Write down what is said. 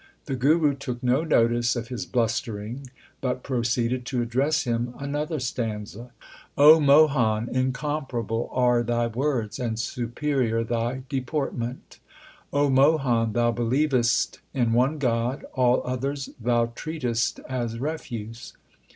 The Guru took no notice of his blustering, but pro ceeded to address him another stanza : O Mohan, incomparable are thy words, and superior thy deportment. LIFE OF GURU ARJAN 57 O Mohan, thou believes! in one God, all others thou treatest as refuse.